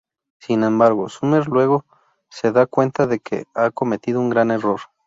Sin embargo Summer luego se da cuenta de que ha cometido un gran error.